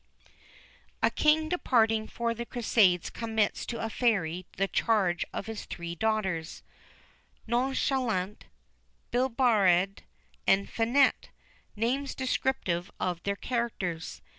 A King departing for the Crusades commits to a Fairy the charge of his three daughters Nonchalante, Babillarde, and Finette, names descriptive of their characters.